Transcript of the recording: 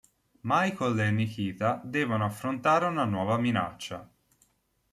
Michael e Nikita devono affrontare una nuova minaccia.